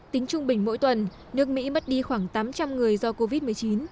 tính trung bình mỗi tuần nước mỹ mất đi khoảng tám trăm linh người do covid một mươi chín